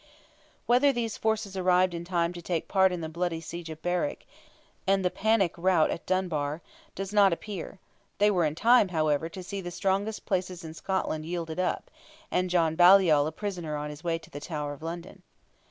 Whether these forces arrived in time to take part in the bloody siege of Berwick, and the panic route at Dunbar, does not appear; they were in time, however, to see the strongest places in Scotland yielded up, and John Baliol a prisoner on his way to the Tower of London.